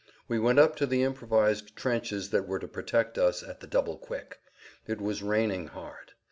We went up to the improvised trenches that were to protect us, at the double quick. It was raining hard.